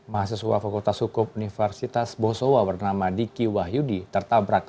mahasiswa fakultas hukum universitas bosowa bernama diki wahyudi tertabrak